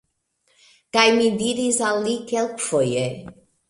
Kaj mi diris al li kelkfoje: